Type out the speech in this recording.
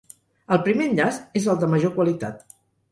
El primer enllaç és el de major qualitat.